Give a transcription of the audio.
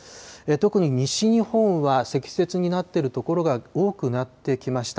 特に西日本は、積雪になっている所が多くなってきました。